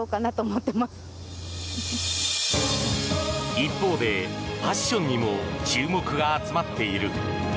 一方で、ファッションにも注目が集まっている。